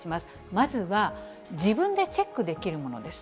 まずは、自分でチェックできるものです。